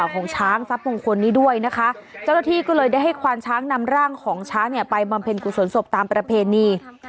ของช้างทรัพย์มงคลนี้ด้วยนะคะเจ้าหน้าที่ก็เลยได้ให้ควานช้างนำร่างของช้างเนี่ยไปบำเพ็ญกุศลศพตามประเพณี